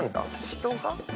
人が。